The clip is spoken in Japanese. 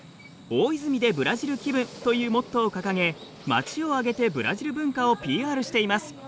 大泉でブラジル気分というモットーを掲げ町を挙げてブラジル文化をＰＲしています。